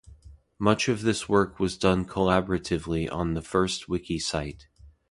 Much of this work was done collaboratively on the first wiki site.